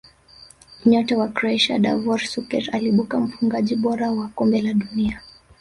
nyota wa croatia davor suker aliibuka mfungaji bora wa kombe la dunia